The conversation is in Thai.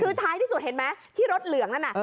คือท้ายที่สุดเห็นไหมที่รถเหลืองนั่นน่ะ